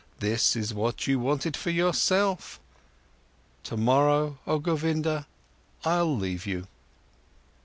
This is what you wanted for yourself. Tomorrow, oh Govinda, I'll leave you."